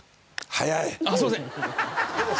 すいません。